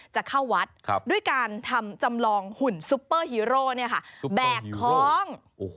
จะเข้าวัดครับด้วยการทำจำลองหุ่นซุปเปอร์ฮิโรคเนี่ยค่ะแบบของ